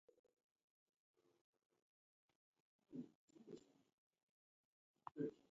Kigharo chadukwa ni machi.